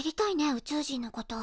宇宙人のこと。